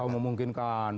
oh ya memungkinkan